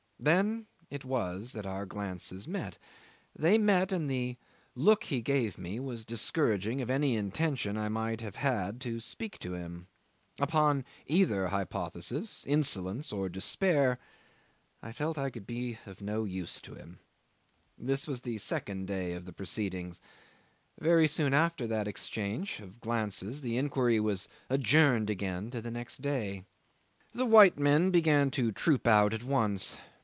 Then it was that our glances met. They met, and the look he gave me was discouraging of any intention I might have had to speak to him. Upon either hypothesis insolence or despair I felt I could be of no use to him. This was the second day of the proceedings. Very soon after that exchange of glances the inquiry was adjourned again to the next day. The white men began to troop out at once.